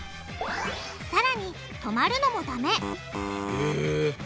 さらに止まるのもダメえ。